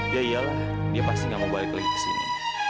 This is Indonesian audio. ya iyalah dia pasti gak mau balik lagi ke sini